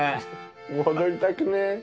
戻りたくねえ？